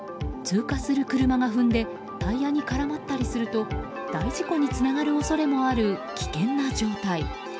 通過する車が踏んでタイヤに絡まったりすると大事故につながる恐れもある危険な状態。